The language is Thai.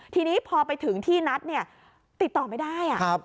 ทีนี้พอไปถึงที่นัดเนี่ยติดต่อไม่ได้